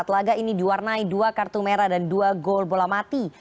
laga ini diwarnai dua kartu merah dan dua gol bola mati